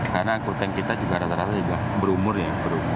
karena angkuteng kita juga rata rata berumur ya